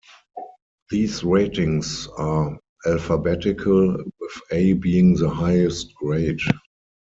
These ratings are alphabetical, with "A" being the highest grade.